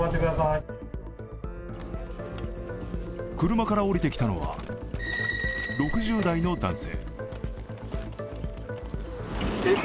車から降りてきたのは６０代の男性。